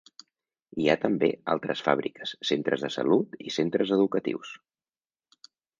Hi ha també altres fàbriques, centres de salut i centres educatius.